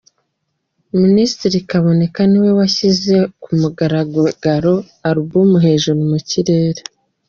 Minisitiri Kaboneka niwe washyize ku mugaragaro Alubum Hejuru mu kirere.